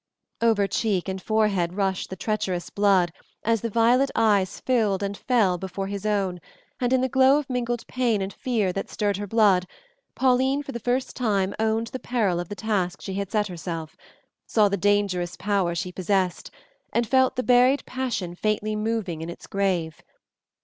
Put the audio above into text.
Over cheek and forehead rushed the treacherous blood as the violet eyes filled and fell before his own, and in the glow of mingled pain and fear that stirred her blood, Pauline, for the first time, owned the peril of the task she had set herself, saw the dangerous power she possessed, and felt the buried passion faintly moving in its grave.